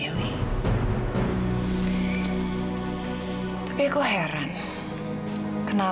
iya lihat lihat karaoke pertama kita